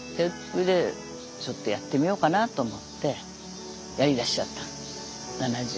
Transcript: それでちょっとやってみようかなと思ってやりだしちゃった７０で。